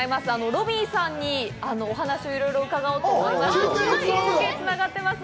ロビーさんにお話をいろいろ伺おうと思います。